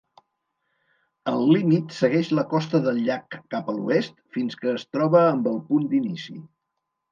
El límit segueix la costa del llac cap a l'oest fins que es troba amb el punt d'inici.